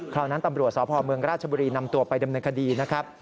นั้นตำรวจสพเมืองราชบุรีนำตัวไปดำเนินคดีนะครับ